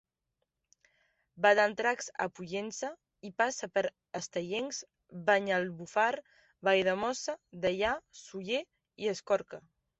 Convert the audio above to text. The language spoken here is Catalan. Va d'Andratx a Pollença i passa per Estellencs, Banyalbufar, Valldemossa, Deià, Sóller i Escorca.